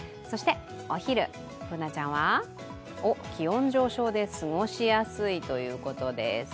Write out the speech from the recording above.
お昼、Ｂｏｏｎａちゃんは、気温上昇で過ごしやすいということです。